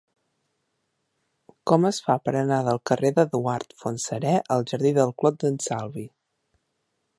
Com es fa per anar del carrer d'Eduard Fontserè al jardí del Clot d'en Salvi?